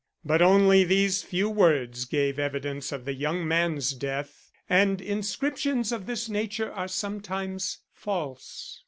But only these few words gave evidence of the young man's death, and inscriptions of this nature are sometimes false.